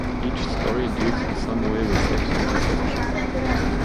Each story deals in some way with sex and deception.